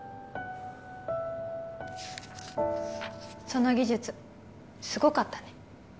その技術すごかったね